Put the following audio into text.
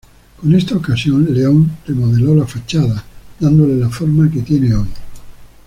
Con esta ocasión, León remodeló la fachada, dándole la forma que tiene hoy.